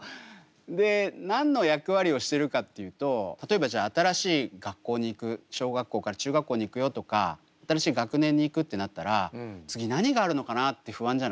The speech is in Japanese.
で何の役割をしてるかっていうと例えばじゃあ新しい学校に行く小学校から中学校に行くよとか新しい学年に行くってなったら次何があるのかなって不安じゃない？